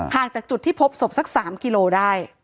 ห่างจากจุดที่พบศพสัก๓กิโลเมตรได้